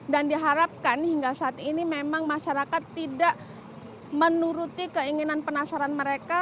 dan diharapkan hingga saat ini memang masyarakat tidak menuruti keinginan penasaran mereka